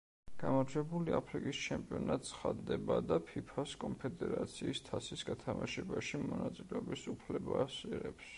გამარჯვებული აფრიკის ჩემპიონად ცხადდება და ფიფას კონფედერაციის თასის გათამაშებაში მონაწილეობის უფლებას იღებს.